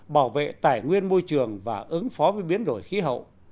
bảo vệ tài nguyên môi trường và ứng phó với biến đổi khí hậu